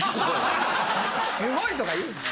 すごいとか言うな。